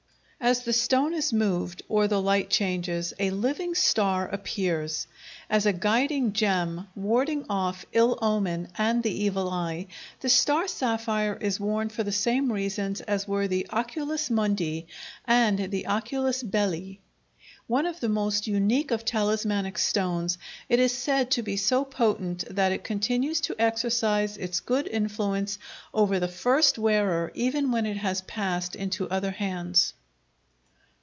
As the stone is moved, or the light changes, a living star appears. As a guiding gem, warding off ill omen and the Evil Eye, the star sapphire is worn for the same reasons as were the oculus mundi and the oculus Beli. One of the most unique of talismanic stones, it is said to be so potent that it continues to exercise its good influence over the first wearer even when it has passed into other hands.